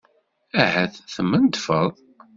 Ahat temmendfeḍ?